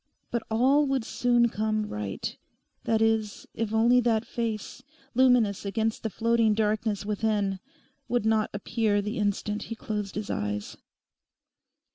But all would soon come right—that is, if only that face, luminous against the floating darkness within, would not appear the instant he closed his eyes.